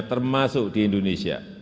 termasuk di indonesia